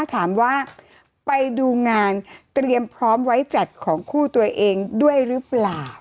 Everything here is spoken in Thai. ถามว่าไปดูงานเตรียมพร้อมไว้จัดของคู่ตัวเองด้วยหรือเปล่า